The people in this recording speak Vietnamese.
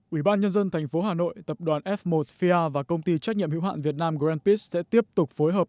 ubnd tp hà nội tập đoàn f một fia và công ty trách nhiệm hữu hạn việt nam grand peace sẽ tiếp tục phối hợp